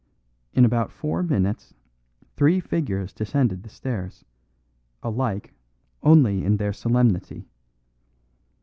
In about four minutes three figures descended the stairs, alike only in their solemnity.